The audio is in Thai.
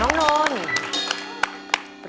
น้องนนท์